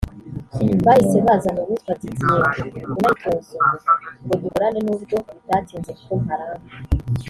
Bahise bazana uwitwa Didier (Unayitoza ubu) ngo dukorane nubwo bitatinze ko mparamba